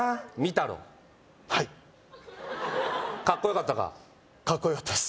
たろはいカッコよかったかカッコよかったです